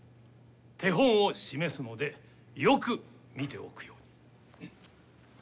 手本を示すのでよく見ておくように。